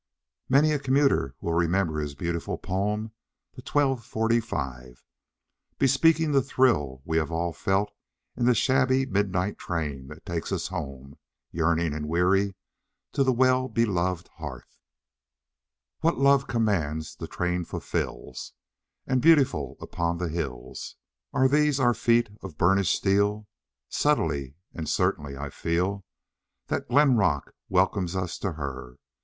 Many a commuter will remember his beautiful poem "The 12:45," bespeaking the thrill we have all felt in the shabby midnight train that takes us home, yearning and weary, to the well beloved hearth: What love commands, the train fulfills And beautiful upon the hills Are these our feet of burnished steel. Subtly and certainly, I feel That Glen Rock welcomes us to her.